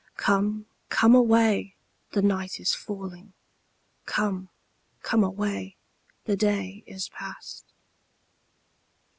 Come, come away, the night is falling; 'Come, come away, the day is past.'